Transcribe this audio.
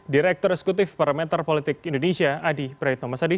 direktur eksekutif parameter politik indonesia adi praditomasadi